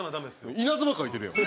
稲妻描いてるやん。